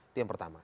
itu yang pertama